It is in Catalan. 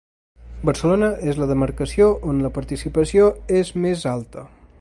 Barcelona és la demarcació on la participació és més alta.